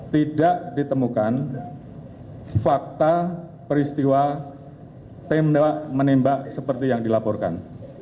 tidak ditemukan fakta peristiwa tembak menembak seperti yang dilaporkan